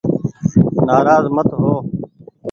نآراز مت هو